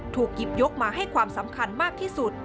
ถูกหยิบยกมาให้ความสำคัญมากที่สุด